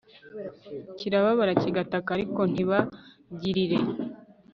kirababara kigataka ariko ntibagirire